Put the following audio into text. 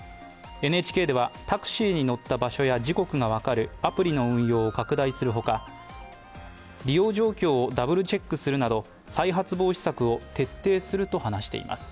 ＮＨＫではタクシーに乗った場所や時刻が分かるアプリの運用を拡大するほか、利用状況をダブルチェックするなど再発防止策を徹底すると話しています。